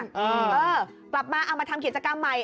เออกลับมาเอามาทำกิจกรรมใหม่